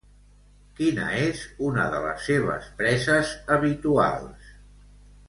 Quina és una de les seves preses habituals?